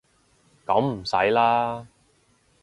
噉唔使啦